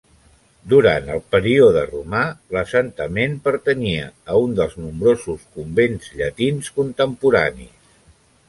Durant el període romà, l'assentament pertanyia a un dels nombrosos convents llatins contemporanis.